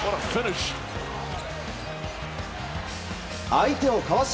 相手をかわし